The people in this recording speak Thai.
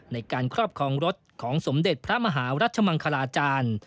ในการครอบครองรถของสมเด็จพระมหารัชมังคลาจารย์